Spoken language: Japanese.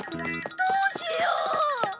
どうしよう！